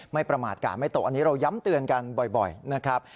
ประมาทกาดไม่ตกอันนี้เราย้ำเตือนกันบ่อยนะครับ